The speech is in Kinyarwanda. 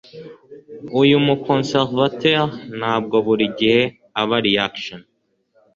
Umu conservateur ntabwo buri gihe aba reaction.